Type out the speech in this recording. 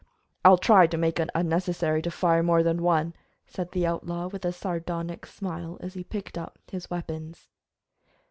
"I'll try to make it unnecessary to fire more than one," said the outlaw, with a sardonic smile, as he picked up his weapons.